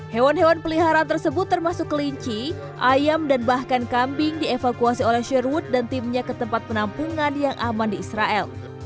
hewan hewan peliharaan tersebut termasuk kelinci ayam dan bahkan kambing dievakuasi oleh sherwood dan timnya ke tempat penampungan yang aman di israel